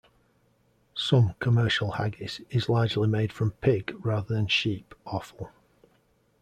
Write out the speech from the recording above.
Some commercial haggis is largely made from pig, rather than sheep, offal.